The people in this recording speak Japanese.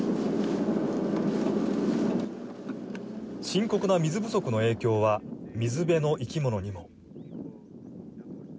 深刻な水不足の影響は水辺の生き物にも。